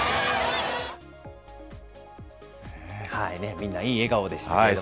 みんないい笑顔でしたけれども。